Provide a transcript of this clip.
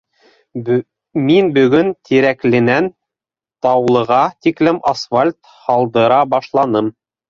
Мин бөгөн Тирәкленән Таулыға тиклем асфальт һалдыра башланым.